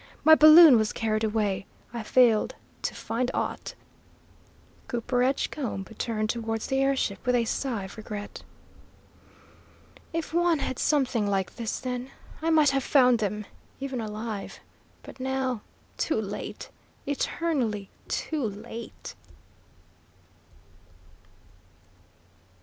My balloon was carried away. I failed to find aught!" Cooper Edgecombe turned towards the air ship, with a sigh of regret. "If one had something like this then, I might have found them, even alive! But now too late eternally too late!"